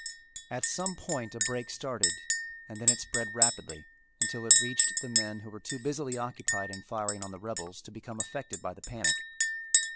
At some point a break started and then it spread rapidly until it reached the men who were too busily occupied in firing on the rebels to become affected by the panic.